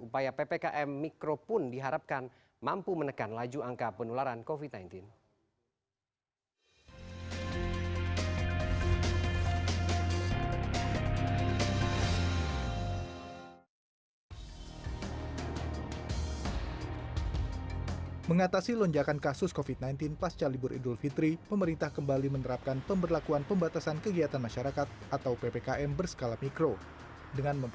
upaya ppkm mikro pun diharapkan mampu menekan laju angka penularan covid sembilan belas